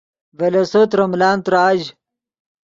ڤے لیسو ترے ملان تراژ